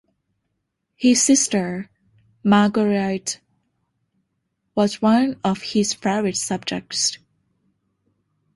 His sister, Marguerite, was one of his favorite subjects.